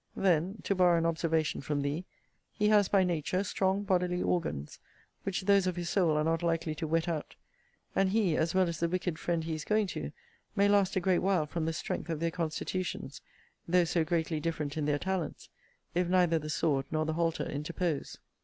Then (to borrow an observation from thee) he has, by nature, strong bodily organs, which those of his soul are not likely to whet out; and he, as well as the wicked friend he is going to, may last a great while from the strength of their constitutions, though so greatly different in their talents, if neither the sword nor the halter interpose.